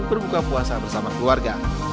berbuka puasa bersama keluarga